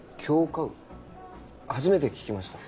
杏花雨初めて聞きました